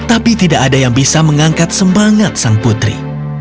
tapi tidak ada yang bisa mengangkat semangat sang putri